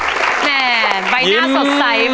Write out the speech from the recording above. เมื่อการปรับการรายงานอินโทรยกที่๓ของน้องเพลงมาเลยครับ